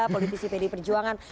politisi pd perjuangan